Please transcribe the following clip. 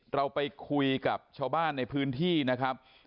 เราไปคุยกับชาวบ้านในพื้นที่นะครับ